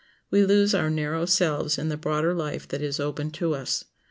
We lose our narrow selves in the broader life that is open to us.